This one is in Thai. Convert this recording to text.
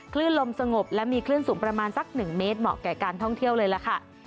คลื่นลมสงบและมีคลื่นสูงประมาณสัก๑เมตรเหมาะแก่การท่องเที่ยวเลยล่ะค่ะ